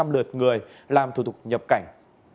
lượt người làm thủ tục nhập cảnh